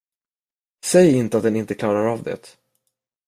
Säg inte att den inte klarar av det?